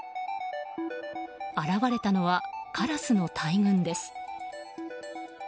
現れたのはカラスの大群です。